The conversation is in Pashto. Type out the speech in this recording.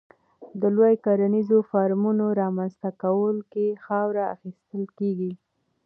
د لویو کرنیزو فارمونو رامنځته کولو کې خاوره اخیستل کېږي.